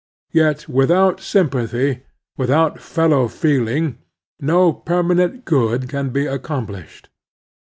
Yet without sympathy, with out fellow feeling, no permanent good can be accomplished.